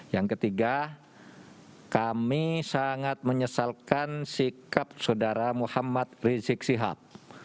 yang ketiga kami sangat menyesalkan sikap saudara muhammad rizik sihab